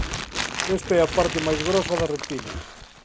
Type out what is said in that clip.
Esta é a parte máis grosa da retina.